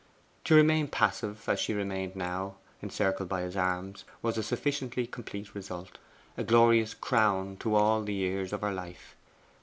To remain passive, as she remained now, encircled by his arms, was a sufficiently complete result a glorious crown to all the years of her life.